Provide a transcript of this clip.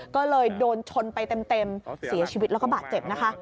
ก็เลยโดนชนไปเต็มเสียชีวิตแล้วก็บาดเจ็บนะคะ